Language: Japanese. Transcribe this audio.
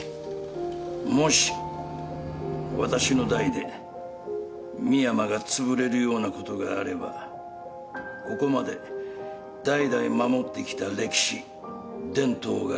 もし私の代で深山がつぶれるようなことがあればここまで代々守ってきた歴史伝統が消える。